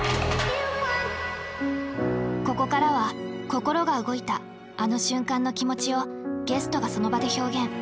ここからは心が動いたあの瞬間の気持ちをゲストがその場で表現。